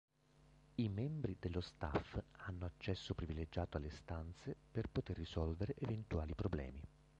I membri dello Staff hanno accesso privilegiato alle stanze per poter risolvere eventuali problemi.